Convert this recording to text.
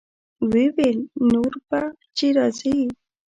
ويې ويل نور به چې راځې.